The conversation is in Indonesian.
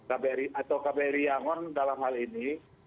atau kbr yangon dalam hal ini